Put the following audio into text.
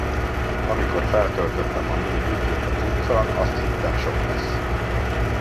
Amikor feltöltöttem a minihűtőt a cuccal, azt hittem sok lesz.